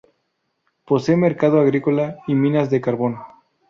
Posee mercado agrícola y minas de carbón.